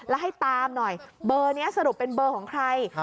แล้วให้ตามหน่อยเบอร์นี้สรุปเป็นเบอร์ของใคร